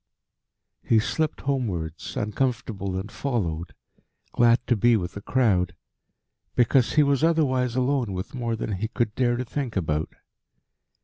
He slipped homewards, uncomfortable and followed, glad to be with a crowd because he was otherwise alone with more than he could dare to think about.